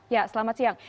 ya selamat siang